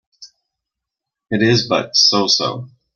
It is but so-so